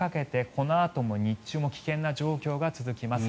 このあとも日中も危険な状況が続きます。